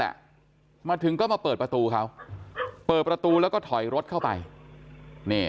มาถึงก็มาเปิดประตูเขาเปิดประตูแล้วก็ถอยรถเข้าไปนี่